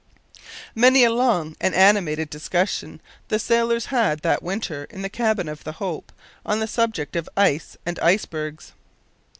Many a long and animated discussion the sailors had that winter in the cabin of the Hope on the subject of ice and ice bergs!